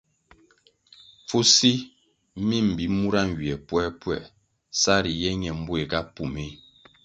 Pfusi mi mbi mura nywie puerpuer sa riye ñe mbuéhga pú méh.